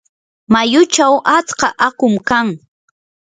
mayuchaw atska aqum kan.